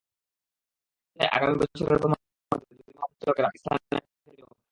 ঠিক হয়েছে, আগামী বছরের প্রথমার্ধে দুই বাহিনীর মহাপরিচালকেরা পাকিস্তানে ফের মিলিত হবেন।